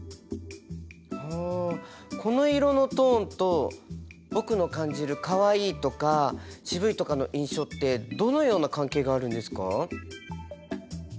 この色のトーンと僕の感じるかわいいとかしぶいとかの印象ってどのような関係があるんですか？